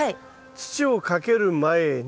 土をかける前に。